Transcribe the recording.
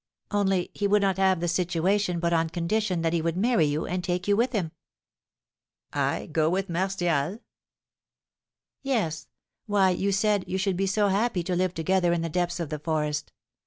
"Only he would not have the situation but on condition that he would marry you, and take you with him." "I go with Martial?" "Yes; why, you said you should be so happy to live together in the depths of the forest.